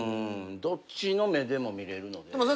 どっちの目でも見れるので。